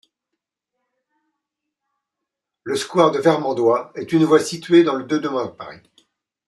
Le square du Vermandois est une voie située dans le de Paris.